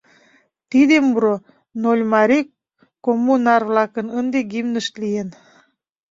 Тиде муро Нольмарий коммунар-влакын ынде гимнышт лийын.